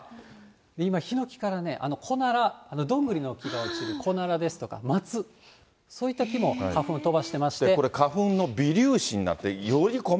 今、ヒノキからね、コナラ、ドングリの木から落ちるコナラですとかマツ、そういった木も花粉これ花粉の微粒子になってよ